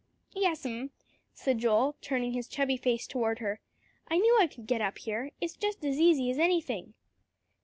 _" "Yes'm," said Joel, turning his chubby face toward her. "I knew I could get up here; it's just as easy as anything."